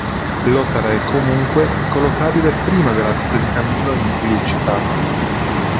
L'opera è, comunque, collocabile prima della "Vita di Camillo", in cui è citata.